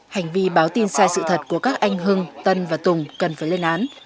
hành vi báo tin sai sự thật của các anh hưng tân và tùng cần phải lên án